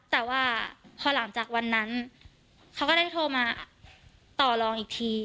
แต่ว่าพอหลังจากวันนั้นเขาก็ได้โทรมาต่อลองอีกที